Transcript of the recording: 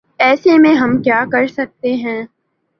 ایسے میں ہم کیا کر سکتے ہیں ۔